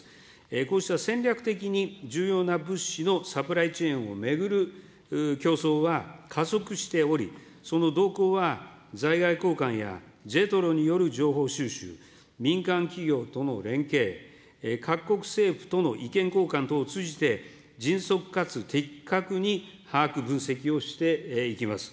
こうした戦略的に重要な物資のサプライチェーンを巡る競争は、加速しており、その動向は在外公館やＪＥＴＲＯによる情報収集、民間企業との連携、各国政府との意見交換等を通じて、迅速かつ的確に把握、分析をしていきます。